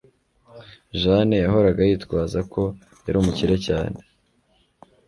Jane yahoraga yitwaza ko yari umukire cyane